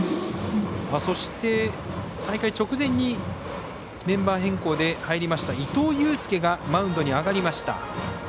そして、大会直前にメンバー変更で入りました、伊藤祐輔がマウンドに上がりました。